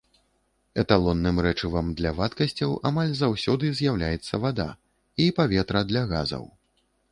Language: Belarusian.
Эталонным рэчывам для вадкасцяў амаль заўсёды з'яўляецца вада і паветра для газаў.